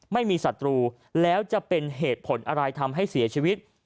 ศัตรูแล้วจะเป็นเหตุผลอะไรทำให้เสียชีวิต